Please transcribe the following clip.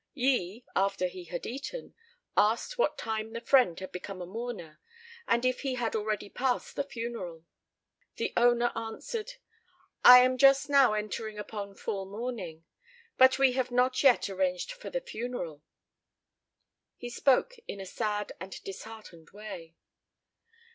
Yi, after he had eaten, asked what time the friend had become a mourner, and if he had already passed the funeral. The owner answered, "I am just now entering upon full mourning, but we have not yet arranged for the funeral." He spoke in a sad and disheartened way.